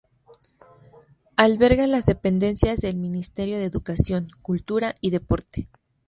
Alberga las dependencias del Ministerio de Educación, Cultura y Deporte.